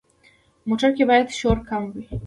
موټر کې باید شور کم وي.